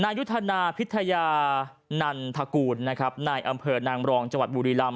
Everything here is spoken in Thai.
นายุธนาพิธญานันทกูลในอำเภอนางมรองจังหวัดบูริรัมณ์